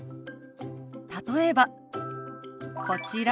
例えばこちら。